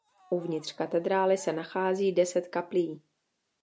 Uvnitř katedrály se nachází deset kaplí.